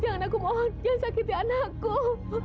jangan aku mohon jangan sakiti anakku